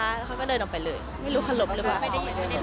แล้วเขาก็เดินออกไปเลยไม่รู้ขลบหรือเปล่า